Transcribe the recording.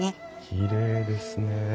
きれいですね。